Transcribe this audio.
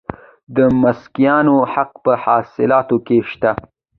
د مسکینانو حق په حاصلاتو کې شته.